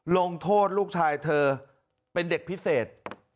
ลงโทษลูกชายเธอเป็นเด็กพิเศษ